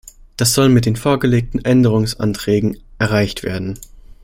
Das soll mit den vorgelegten Änderungsanträgen erreicht werden.